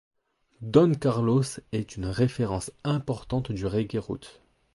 Don Carlos est une référence importante du reggae roots.